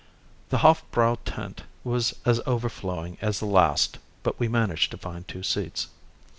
The Hofbräu tent was as overflowing as the last but we managed to find two seats.